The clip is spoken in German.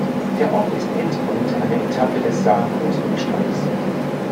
Der Ort ist Endpunkt einer Etappe des Saar-Hunsrück-Steigs.